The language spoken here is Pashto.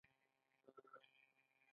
د شنو خونو تولید ټول کال دوام لري.